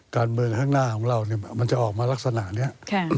การเมืองข้างหน้าของเรามันจะออกมาลักษณะนี้